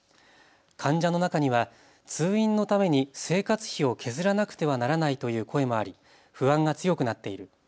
患者の中には通院のために生活費を削らなくてはならないという声もあり不安が強くなっている。